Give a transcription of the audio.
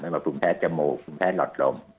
ไม่ว่าภูมิแพ้จมูกภูมิแพ้หลอดลม